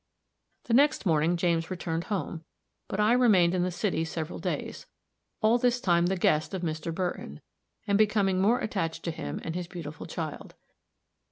The next morning James returned home; but I remained in the city several days, all this time the guest of Mr. Burton, and becoming more attached to him and his beautiful child.